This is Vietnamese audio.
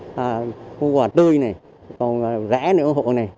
khu quà tươi này còn rẽ nữa ủng hộ này